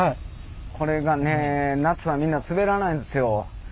これがね夏はみんなすべらないんですよ。